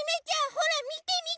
ほらみてみて！